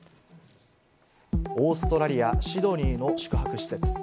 オーストラリア・シドニーの宿泊施設。